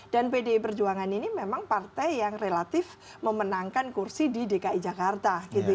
dan pdi perjuangan ini memang partai yang relatif memenangkan kursi di dki jakarta